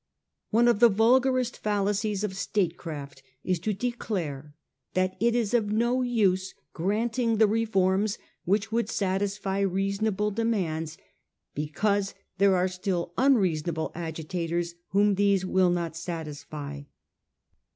One of the vulgarest fallacies of statecraft is to declare that it is of no use granting the reforms which would satisfy reasonable demands, because there are still unreasonable agitators whom these will not satisfy.